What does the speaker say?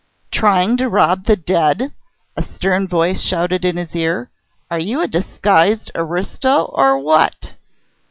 "Trying to rob the dead?" a stern voice shouted in his ear. "Are you a disguised aristo, or what?"